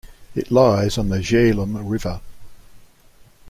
It lies on the Jhelum River.